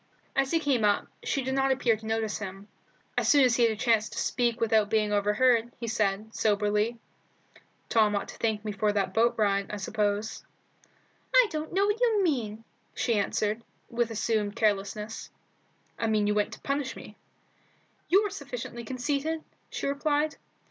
As he came up, she did not appear to notice him. As soon as he had a chance to speak without being overheard, he said, soberly "Tom ought to thank me for that boat ride, I suppose." "I don't know what you mean," she answered, with assumed carelessness. "I mean that you went to punish me." "You're sufficiently conceited," she replied.